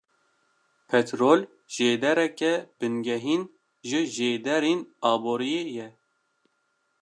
Petrol jêdereke bingehîn ji jêderên aboriyê ye.